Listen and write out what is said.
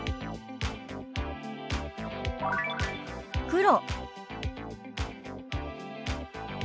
「黒」。